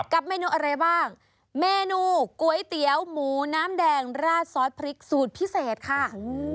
เมนูอะไรบ้างเมนูก๋วยเตี๋ยวหมูน้ำแดงราดซอสพริกสูตรพิเศษค่ะ